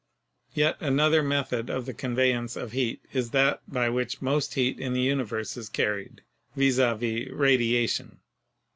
Yet another method of the conveyance of heat is that by which most heat in the universe is carried — viz., radia tion.